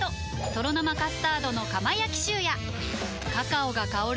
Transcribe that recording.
「とろ生カスタードの窯焼きシュー」やカカオが香る！